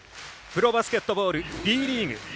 プロバスケットボールＢリーグ。